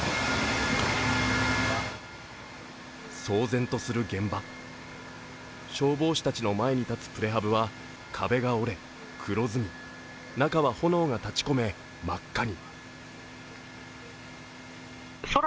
騒然とする現場、消防士たちの前に建つプレハブは壁が折れ、黒ずみ、中は炎が立ちこめ真っ赤に。